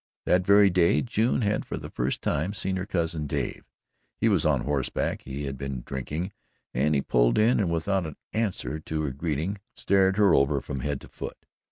That very day June had for the first time seen her cousin Dave. He was on horseback, he had been drinking and he pulled in and, without an answer to her greeting, stared her over from head to foot.